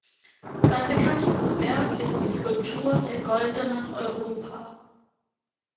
Sein bekanntestes Werk ist die Skulptur der Goldenen Europa.